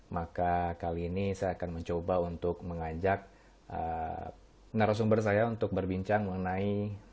maka kali ini saya akan mencoba untuk mengajak narasumber saya untuk berbincang mengenai